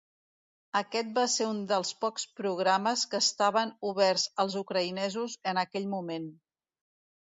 Aquest va ser un dels pocs programes que estaven oberts als ucraïnesos en aquell moment.